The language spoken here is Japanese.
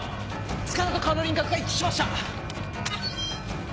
塚田と顔の輪郭が一致しました。